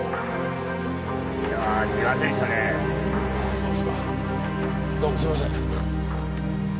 そうですかどうもすいません。